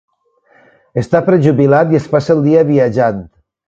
Està prejubilat i es passa el dia viatjant.